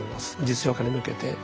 実用化に向けて。